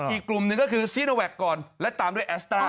อีกกลุ่มหนึ่งก็คือซีโนแวคก่อนและตามด้วยแอสต้า